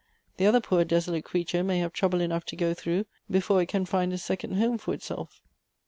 The other poor, desolate creature may have trouble enough to go through before it can find a second home for itself."